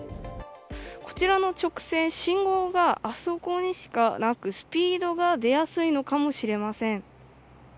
こちらの直線信号があそこにしかなくスピードが出やすいのかもしれません。